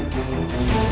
gak tau lik